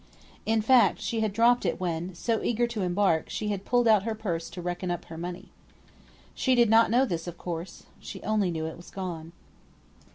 In fact she had dropped it when, so eager to embark, she had pulled out her purse to reckon up her money. She did not know this, of course. She only knew it was gone.